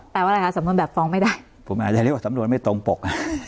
แปลว่าอะไรคะสำนวนแบบฟ้องไม่ได้ผมอาจจะเรียกว่าสำนวนไม่ตรงปก